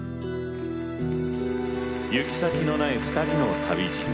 行き先のない２人の旅路。